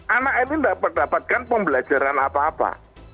anak ini tidak mendapatkan pembelajaran apa apa